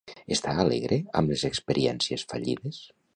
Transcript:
Està alegre amb les experiències fallides?